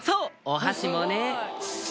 お箸もね